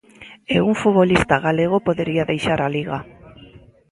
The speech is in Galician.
E un futbolista galego podería deixar a Liga.